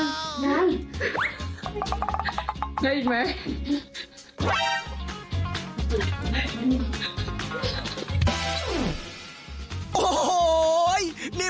นี่มันเป็นเวลาหอมมายแกนี่